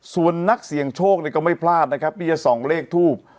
ส่วนนักเสียงโชคเนี่ยก็ไม่พลาดนะครับเนี่ยสองเลขทูป